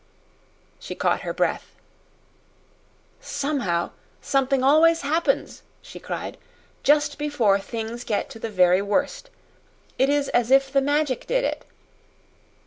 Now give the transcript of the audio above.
She caught her breath. "Somehow, something always happens," she cried, "just before things get to the very worst. It is as if the Magic did it.